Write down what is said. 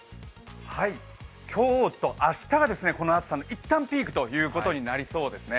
今日と明日がこの暑さの、一旦、ピークになりそうです。